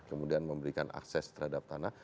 kemudian memberikan akses terhadap tanah